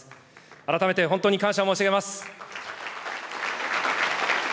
改めて、本当に感謝申し上げます。